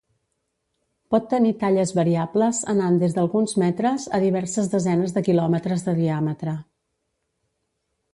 Pot tenir talles variables anant des d'alguns metres a diverses desenes de quilòmetres de diàmetre.